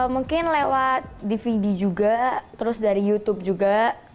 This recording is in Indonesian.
mungkin lewat dvd juga terus dari youtube juga